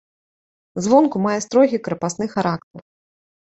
Звонку мае строгі крапасны характар.